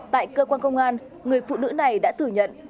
tại cơ quan công an người phụ nữ này đã thừa nhận